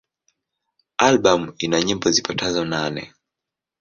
Albamu ina nyimbo zipatazo nane.